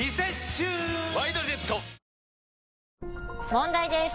問題です！